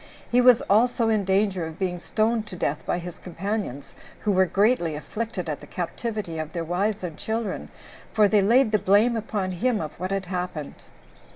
He was also in danger of being stoned to death by his companions, who were greatly afflicted at the captivity of their wives and children, for they laid the blame upon him of what had happened.